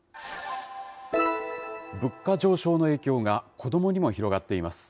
物価上昇の影響が子どもにも広がっています。